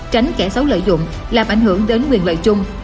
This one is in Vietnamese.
tránh kẻ xấu lợi dụng làm ảnh hưởng đến quyền lợi chung